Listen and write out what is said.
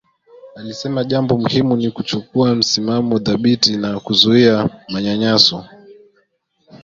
Alisema jambo muhimu ni kuchukua msimamo thabiti na kuzuia manyanyaso